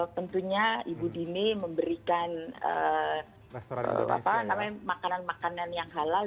tentunya ibu dini memberikan makanan makanan yang halal